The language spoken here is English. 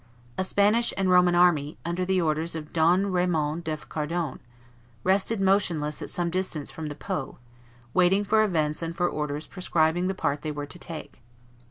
A Spanish and Roman army, under the orders of Don Raymond of Cardone, rested motionless at some distance from the Po, waiting for events and for orders prescribing the part they were to take.